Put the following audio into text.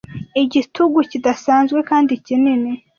Igitugu kidasanzwe kandi kinini,